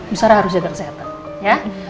bu sara harus jaga kesehatan ya